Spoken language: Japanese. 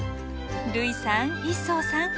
類さん一双さん